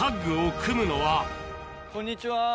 こんにちは。